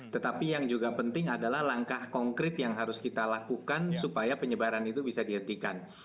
tetapi yang juga penting adalah langkah konkret yang harus kita lakukan supaya penyebaran itu bisa dihentikan